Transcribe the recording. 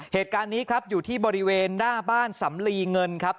เหตุการณ์นี้ครับอยู่ที่บริเวณหน้าบ้านสำลีเงินครับ